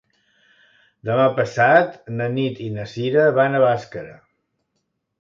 Demà passat na Nit i na Cira van a Bàscara.